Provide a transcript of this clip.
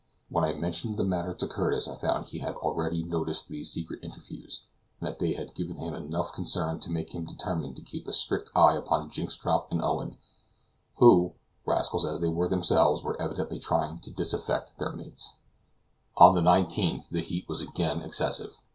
When I mentioned the matter to Curtis I found he had already noticed these secret interviews, and that they had given him enough concern to make him determined to keep a strict eye upon Jynxstrop and Owen, who, rascals as they were themselves, were evidently trying to disaffect their mates. On the 19th the heat was again excessive.